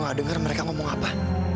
gua gak denger mereka ngomong apa